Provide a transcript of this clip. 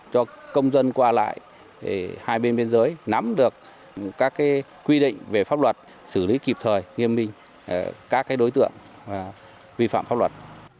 cho công dân qua lại hai bên biên giới nắm được các quy định về pháp luật xử lý kịp thời nghiêm minh các đối tượng vi phạm pháp luật